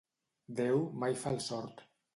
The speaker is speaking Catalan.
Déu mai fa el sord.